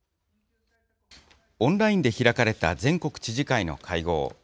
オンラインで開かれた全国知事会の会合。